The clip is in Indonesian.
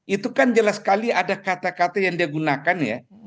itu kan jelas sekali ada kata kata yang dia gunakan ya